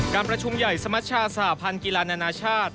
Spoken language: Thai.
การประชุมใหญ่สมชาสหพันธ์กีฬานานาชาติ